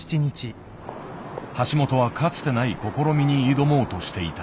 橋本はかつてない試みに挑もうとしていた。